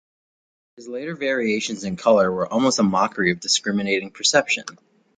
His later variations in color were almost a mockery of discriminating perception.